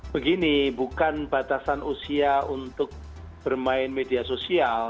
begini bukan batasan usia untuk bermain media sosial